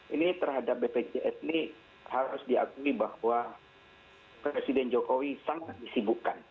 ini terhadap bpjs ini harus diakui bahwa presiden jokowi sangat disibukkan